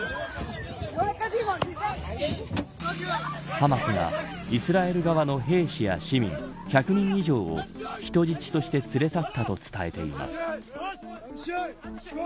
ハマスがイスラエル側の兵士や市民１００人以上を人質として連れ去ったと伝えています。